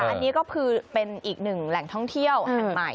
อันนี้ก็คือเป็นอีกหนึ่งแหล่งท่องเที่ยวแห่งใหม่